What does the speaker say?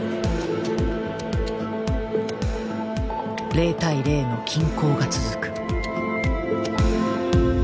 ０対０の均衡が続く。